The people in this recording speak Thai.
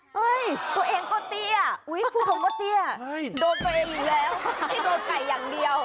ตัวเองก็เตี้ยพูดคำว่าเตี้ยโดนตัวเองอยู่แล้วให้โดนไก่อย่างเดียว